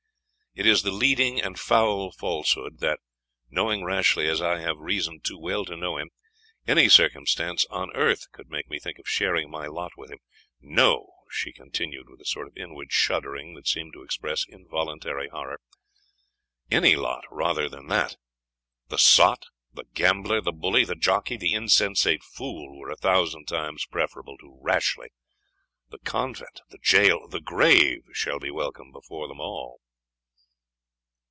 It is the leading and foul falsehood, that, knowing Rashleigh as I have reason too well to know him, any circumstance on earth could make me think of sharing my lot with him. No," she continued with a sort of inward shuddering that seemed to express involuntary horror, "any lot rather than that the sot, the gambler, the bully, the jockey, the insensate fool, were a thousand times preferable to Rashleigh: the convent the jail the grave, shall be welcome before them all."